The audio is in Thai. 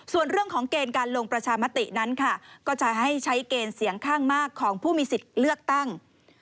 ส่วนเรื่องของเกณฑ์การลงประชามตินั้นค่ะก็จะให้ใช้เกณฑ์เสียงข้างมากของผู้มีสิทธิ์เลือกตั้ง